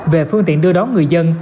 về phương tiện đưa đón người dân